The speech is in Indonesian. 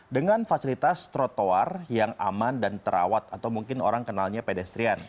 dengan fasilitas trotoar yang aman dan terawat atau mungkin orang kenalnya pedestrian